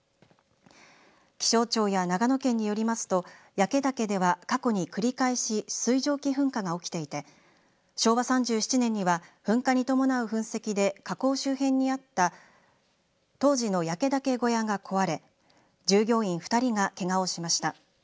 気象庁や長野県によりますと焼岳では過去に繰り返し水蒸気噴火が起きていて昭和３７年には噴火に伴う噴石で火口周辺にあった当時の焼岳小屋が壊れ従業員２人が、けがをしました。